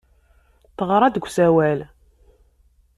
Teɣra-d deg usawal.